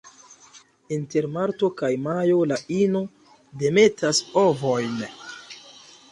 Inter marto kaj majo la ino demetas ovojn.